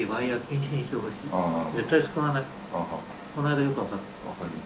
こないだよく分かった。